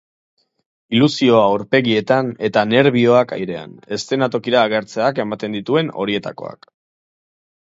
Ilusioa aurpegietan, eta nerbioak airean, eszenatokira agertzeak ematen dituen horietakoak.